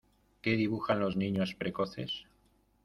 que dibujan los niños precoces: